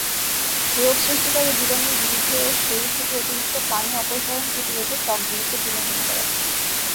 রোগ সৃষ্টিকারী জীবাণুর বিরুদ্ধে ও শরীর থেকে অতিরিক্ত পানি অপসারণ প্রতিরোধে ত্বক গুরুত্বপূর্ণ ভূমিকা রাখে।